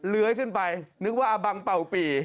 เลื้อยขึ้นไปนึกว่าอบังเป่าปี